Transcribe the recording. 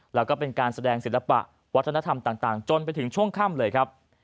แล้วก็เป็นการแสดงศิลปะวัฒนธรรมต่างจนไปถึงช่วงค่ำเลยครับ